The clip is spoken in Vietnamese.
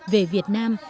về việt nam